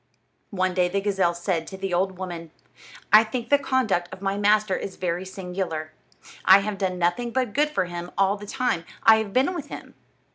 One day the gazelle said to the old woman: "I think the conduct of my master is very singular. I have done nothing but good for him all the time I have been with him.